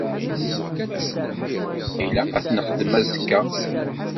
Ilaq ad t-nexdem azekka.